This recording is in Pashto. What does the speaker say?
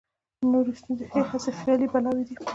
نورې ستونزې هسې خیالي بلاوې دي.